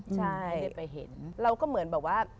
ใช่เราก็เหมือนแบบว่า